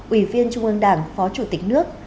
ủy viên trung ương đảng phó chủ tịch nước